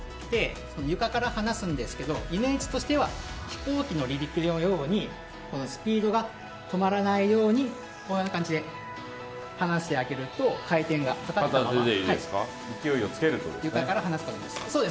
床から離すんですけどイメージとしては飛行機の離陸のようにスピードが止まらないようにこんな感じで離してあげると勢いをつけると。